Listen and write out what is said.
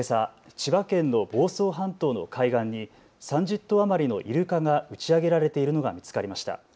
千葉県の房総半島の海岸に３０頭余りのイルカが打ち上げられているのが見つかりました。